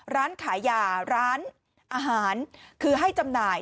ร้านขายยาร้านอาหารคือให้จำหน่าย